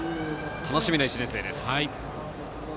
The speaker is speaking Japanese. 楽しみな１年生です。